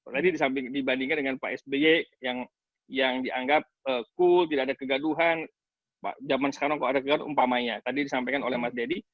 tadi disamping dibandingkan dengan pak sby yang yang dianggap cool tidak ada kegaguhan zaman sekarang kalau ada kegaguhan umpamanya tadi disampaikan oleh mas deddy